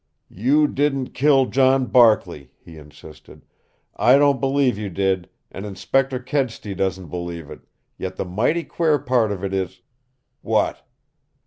"You didn't kill John Barkley," he insisted. "I don't believe you did, and Inspector Kedsty doesn't believe it yet the mighty queer part of it is " "What?"